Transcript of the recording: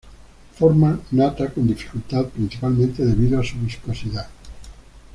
Forma nata con dificultad, principalmente debido a su viscosidad.